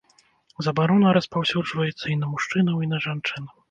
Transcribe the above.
Забарона распаўсюджваецца і на мужчынаў, і на жанчын.